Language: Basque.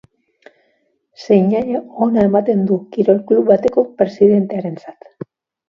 Seinale ona ematen du, kirol klub bateko presidentearentzat.